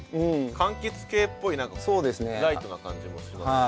かんきつ系っぽいライトな感じもしますし。